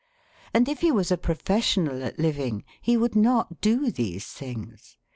And if he was a professional at living he would not do these things.